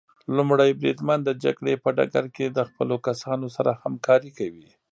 لومړی بریدمن د جګړې په ډګر کې د خپلو کسانو سره همکاري کوي.